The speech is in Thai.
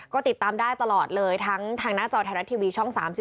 ก็ติดตามได้ตลอดเลยทั้งทางหน้าจอไทยรัฐทีวีช่อง๓๒